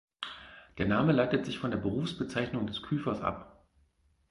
Der Name leitet sich von der Berufsbezeichnung des Küfers ab.